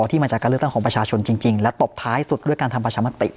ที่มาจากการเลือกตั้งของประชาชนจริงและตบท้ายสุดด้วยการทำประชามติ